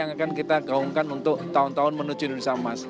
dan apa sih nanti yang akan kita gaungkan untuk tahun tahun menuju indonesia mas